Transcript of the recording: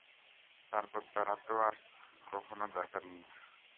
তারপর তারা তা আর কখনো দেখেন না।